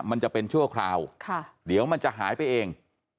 มันจะเป็นชั่วคราวเดี๋ยวมันจะหายไปเอง